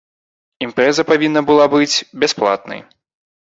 Імпрэза павінна была быць бясплатнай.